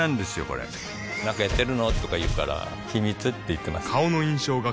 これなんかやってるの？とか言うから秘密って言ってます